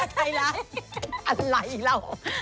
ไทรัศน์ไล่เรา